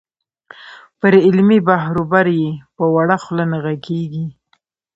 پر علمي بحروبر یې په وړه خوله نه غږېږې.